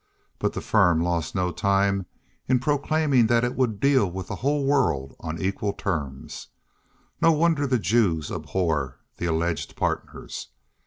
But the Firm lost no time in proclaiming that it would deal with the whole world on equal terms: no wonder the Jews abhor the alleged partners!